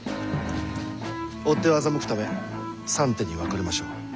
追っ手を欺くため３手に分かれましょう。